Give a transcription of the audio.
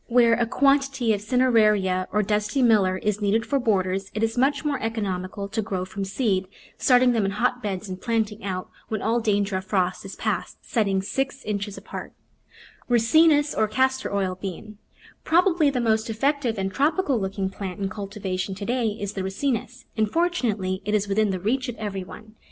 Where a quantity of Cineraria, or Dusty Miller, is needed for borders, it is much more economical to grow from seed, starting them in hotbeds and plant ing out when all danger of frost is past, setting six inches apart. Digitized by Google i44 2^* Flower Garden [Chapter Ricinus, or Castor oil Bean PROBABLY the most effective and tropical look ing plant in cultivation to day is the Ricinus, and fortunately it is within the reach of everyone.